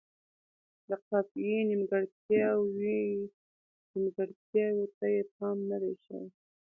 د قافیې نیمګړتیاوو ته یې پام نه دی شوی.